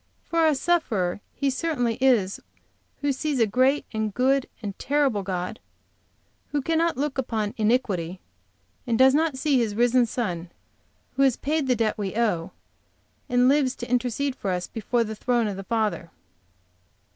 For a sufferer he certainly is who sees a great and good and terrible God who cannot look upon iniquity, and does not see His risen Son, who has paid the debt we owe, and lives to intercede for us before the throne of the Father.